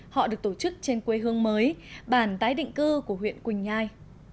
họ được tổ chức trên quê hương mới bản tái định cư của huyện quỳnh nhai